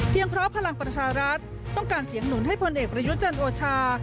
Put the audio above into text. เพราะพลังประชารัฐต้องการเสียงหนุนให้พลเอกประยุจันทร์โอชา